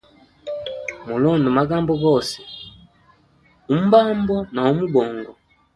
Mulonde magambo gose, umbambo na umubongo.